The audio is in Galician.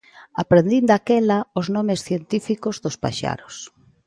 Aprendín daquela os nomes científicos dos paxaros.